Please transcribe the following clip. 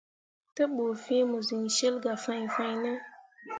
Te ɓu fĩĩ mo siŋ cil gah fãi fãine.